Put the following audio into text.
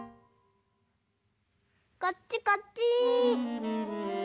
こっちこっち！